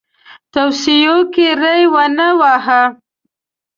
توصیو کې ری ونه واهه.